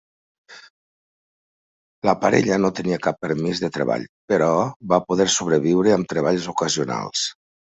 La parella no tenia cap permís de treball, però va poder sobreviure amb treballs ocasionals.